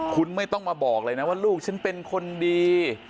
คุณไม่ต้องมาบอกเลยนะว่าลูกฉันเป็นคนดี